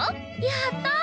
やったー！